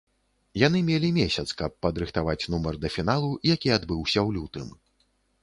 Яны мелі месяц, каб падрыхтаваць нумар да фіналу, які адбыўся ў лютым.